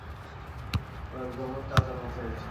ও একদম ওর চাচার মতো হয়েছে।